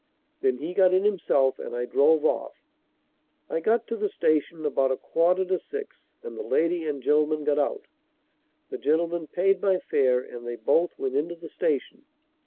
Then he got in himself and I drove off. I got to the station about a quarter to six and the lady and gentleman got out. The gentleman paid my fare and they both went into the station.